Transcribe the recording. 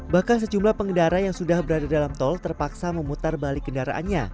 bahkan sejumlah pengendara yang sudah berada dalam tol terpaksa memutar balik kendaraannya